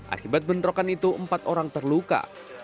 akibat bentrokan itu empat orang terluka